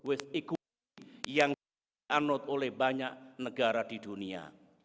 ekonomi yang dianut oleh banyak negara di dunia